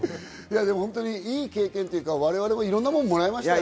いい経験というか我々もいろんなものをもらいましたね。